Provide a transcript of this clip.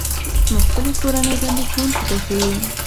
موږ خپلې کورنۍ دندې ښوونکي ته ښيو.